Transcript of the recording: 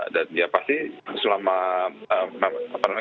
dan ya pasti selama